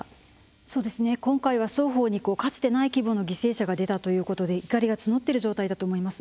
今回は双方にかつてない規模の犠牲者が出たということで怒りが募っている状態だと思います。